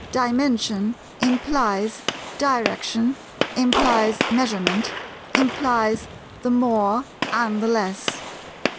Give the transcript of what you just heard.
Dimension implies direction, implies measurement, implies the more and the less.